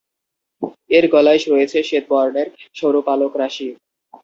এর গলায় রয়েছে শ্বেত বর্ণের সরু পালক রাশি।